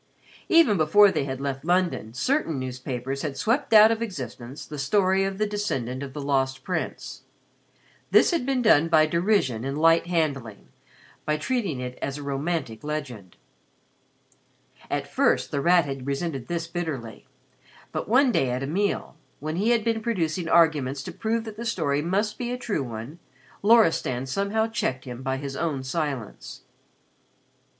Even before they had left London, certain newspapers had swept out of existence the story of the descendant of the Lost Prince. This had been done by derision and light handling by treating it as a romantic legend. At first, The Rat had resented this bitterly, but one day at a meal, when he had been producing arguments to prove that the story must be a true one, Loristan somehow checked him by his own silence.